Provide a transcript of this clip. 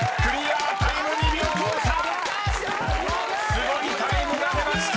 ［すごいタイムが出ました］